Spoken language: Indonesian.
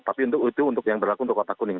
tapi itu yang berlaku untuk kotak kuning